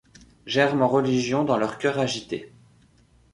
Germe en religion dans leur cœur agité